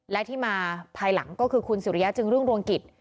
และที่มาภายหลังก็คือคุณสุริยะจึงรุ่งรวงกิจ